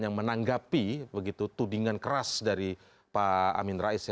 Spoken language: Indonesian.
yang menanggapi begitu tudingan keras dari pak amin rais